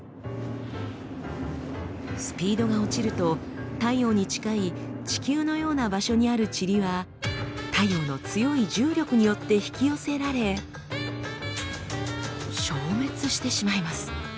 スピードが落ちると太陽に近い地球のような場所にあるチリは太陽の強い重力によって引き寄せられ消滅してしまいます。